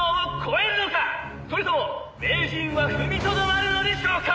「それとも名人は踏みとどまるのでしょうか？」